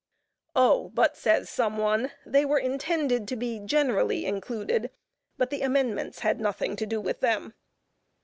Oh, but says some one, they were intended to be generally included, but the amendments had nothing to do with them.